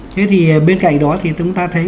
thế thì bên cạnh đó thì chúng ta thấy